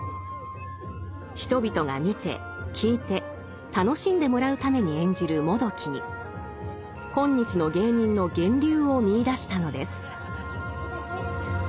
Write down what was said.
人々が見て聞いて楽しんでもらうために演じる「もどき」に今日の芸人の源流を見いだしたのです。